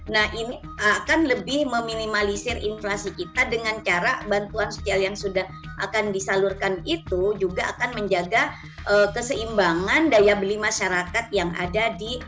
nah ini akan lebih meminimalisir inflasi kita dengan cara bantuan sosial yang sudah akan disalurkan itu juga akan menjaga keseimbangan daya beli masyarakat yang ada di indonesia